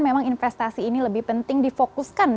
memang investasi ini lebih penting difokuskan